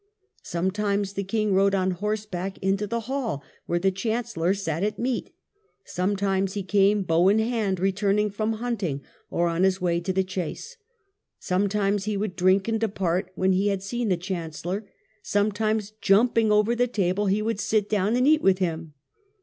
... Sometimes the king rode on horseback into the hall where the chancellor sat at meat; sometimes he came bow in hand returning from hunting, or on his way to the chase. Sometimes he would drink and depart when he had seen the chancellor; sometimes jumping over the table he would sit down and eat with him.